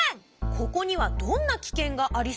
ここにはどんなキケンがありそうかな？